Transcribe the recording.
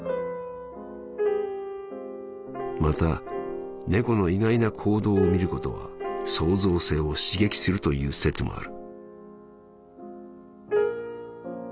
「また猫の意外な行動を見ることは創造性を刺激するという説もある」。